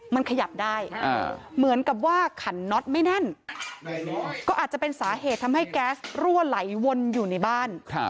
มันขยับได้เหมือนกับว่าขันน็อตไม่แน่นก็อาจจะเป็นสาเหตุทำให้แก๊สรั่วไหลวนอยู่ในบ้าน